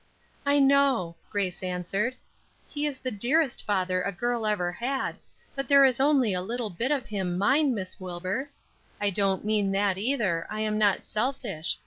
"I know," Grace answered; "he is the dearest father a girl ever had, but there is only a little bit of him mine, Miss Wilbur. I don't mean that either; I am not selfish.